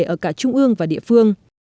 ở cả trung ương và địa phương